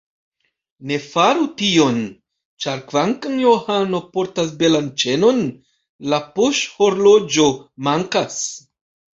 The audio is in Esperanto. Ne faru tion, ĉar kvankam Johano portas belan ĉenon, la poŝhorloĝo mankas.